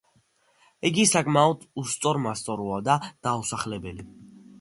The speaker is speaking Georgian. იგი საკმაოდ უსწორმასწოროა და დაუსახლებელი.